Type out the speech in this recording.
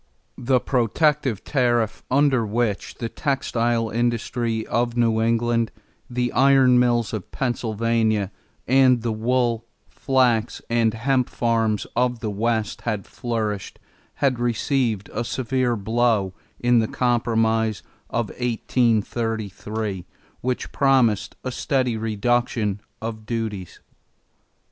The protective tariff, under which the textile industry of New England, the iron mills of Pennsylvania, and the wool, flax, and hemp farms of the West had flourished, had received a severe blow in the compromise of 1833 which promised a steady reduction of duties.